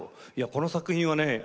この作品はね